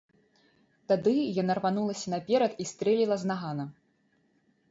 Тады яна рванулася наперад і стрэліла з нагана.